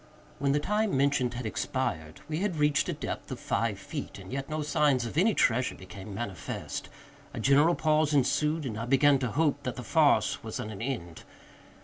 When the time mentioned had expired, we had reached a depth of five feet, and yet no signs of any treasure became manifest. A general pause ensued, and I began to hope that the farce was at an end.